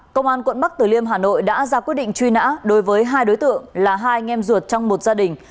công an quận bắc tử liêm hà nội đã ra quyết định truy nã đối với hai đối tượng là hai anh em ruột trong một gia đình